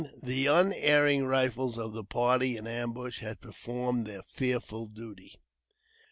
The unerring rifles of the party in ambush had performed their fearful duty.